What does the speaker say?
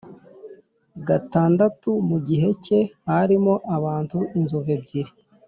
gatandatu Mu gihe cye harimo abantu inzovu ebyiri